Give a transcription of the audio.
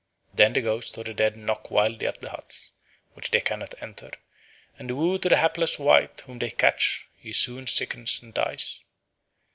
Then the ghosts of the dead knock wildly at the huts, which they cannot enter, and woe to the hapless wight whom they catch; he soon sickens and dies.